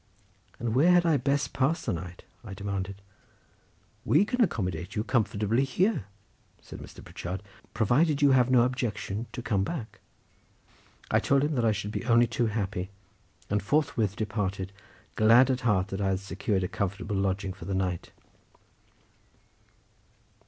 "And where had I best pass the night?" I demanded. "We can accommodate you comfortably here," said Mr. Pritchard, "provided you have no objection to come back." I told him that I should be only too happy, and forthwith departed, glad at heart that I had secured a comfortable lodging for the night.